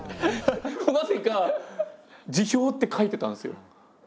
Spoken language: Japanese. なぜか「辞表」って書いてたんですよ。